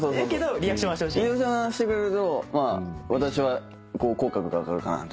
リアクションしてくれるとまあ私は口角が上がるかなと。